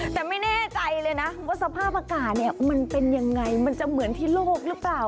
แต่ไม่แน่ใจเลยนะว่าสภาพอากาศเนี่ยมันเป็นยังไงมันจะเหมือนที่โลกหรือเปล่า